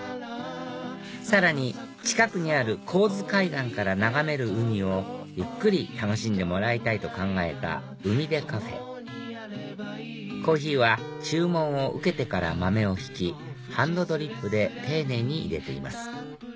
さらに近くにある国府津海岸から眺める海をゆっくり楽しんでもらいたいと考えた海ｄｅＣＡＦＥコーヒーは注文を受けてから豆をひきハンドドリップで丁寧に入れています